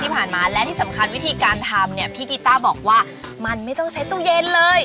ที่ผ่านมาและที่สำคัญวิธีการทำเนี่ยพี่กีต้าบอกว่ามันไม่ต้องใช้ตู้เย็นเลย